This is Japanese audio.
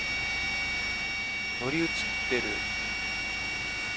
乗り移っている。